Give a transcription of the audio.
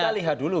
kita lihat dulu